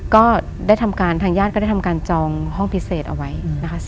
ก็ได้ทำการทางญาติก็ได้ทำการจองห้องพิเศษเอาไว้นะคะ